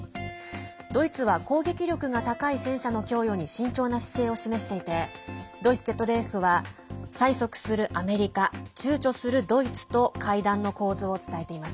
ドイツは攻撃力が高い戦車の供与に慎重な姿勢を示していてドイツＺＤＦは催促するアメリカちゅうちょするドイツと会談の構図を伝えています。